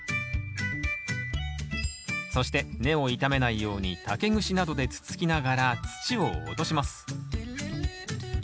そして根を傷めないように竹串などでつつきながら土を落とします。